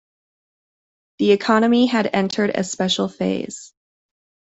The economy had entered a special phase.